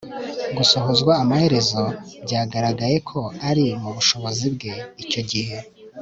gusohozwa amaherezo byagaragaye ko ari mubushobozi bwe. icyo gihe